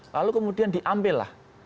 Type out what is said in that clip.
lalu kemudian diambillah